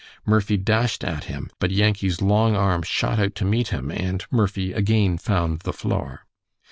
Murphy dashed at him, but Yankee's long arm shot out to meet him, and Murphy again found the floor.